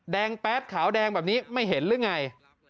แป๊ดขาวแดงแบบนี้ไม่เห็นหรือไง